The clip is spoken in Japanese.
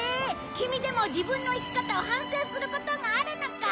キミでも自分の生き方を反省することがあるのか。